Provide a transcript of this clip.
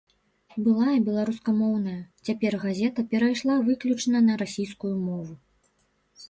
Былая беларускамоўная, цяпер газета перайшла выключна на расійскую мову.